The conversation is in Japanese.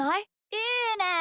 いいね！